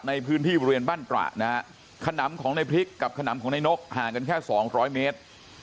ในพื้นที่บริเวณบ้านตระนะฮะขนำของในพริกกับขนำของในนกห่างกันแค่สองร้อยเมตร